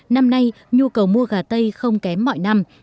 năm nay nhu cầu mua gà tây không kém mọi năm